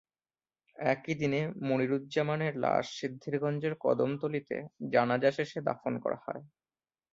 একই দিন মনিরুজ্জামানের লাশ সিদ্ধিরগঞ্জের কদমতলীতে জানাজা শেষে দাফন করা হয়।